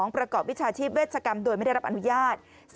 ประกอบวิชาชีพเวชกรรมโดยไม่ได้รับอนุญาต